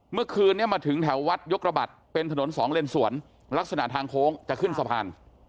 เมื่อคืนนี้มาถึงแถววัดยกระบัดเป็นถนนสองเลนสวนลักษณะทางโค้งจะขึ้นสะพาน